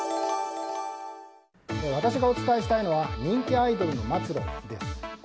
私がお伝えしたいのは人気アイドルの末路です。